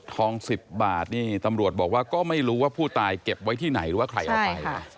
๑๐บาทนี่ตำรวจบอกว่าก็ไม่รู้ว่าผู้ตายเก็บไว้ที่ไหนหรือว่าใครเอาไป